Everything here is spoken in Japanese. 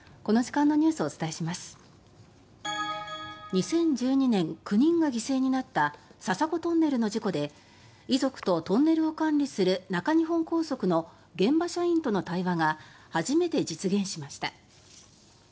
２０１２年９人が犠牲になった笹子トンネルの事故で遺族とトンネルを管理する中日本高速の現場社員との対話が初めて実現しました。